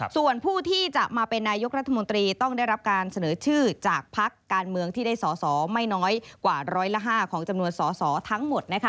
ส่วนผู้ที่จะมาเป็นนายกรัฐมนตรีต้องได้รับการเสนอชื่อจากพักการเมืองที่ได้สอสอไม่น้อยกว่าร้อยละ๕ของจำนวนสอสอทั้งหมด